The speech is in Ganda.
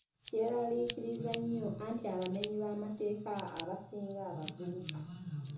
Kyeraliikiriza nnyo anti abamenyi b'amateeka abasinga bavubuka.